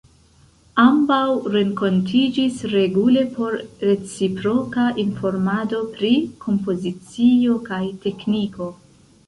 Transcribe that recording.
Ambaŭ renkontiĝis regule por reciproka informado pri kompozicio kaj tekniko.